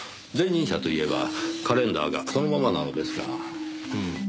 前任者といえばカレンダーがそのままなのですが。